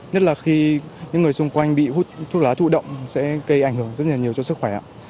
nhất là khi những người xung quanh bị thuốc lá thụ động sẽ gây ảnh hưởng rất nhiều cho sức khỏe